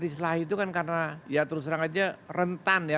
islah itu kan karena ya terus terang aja rentan ya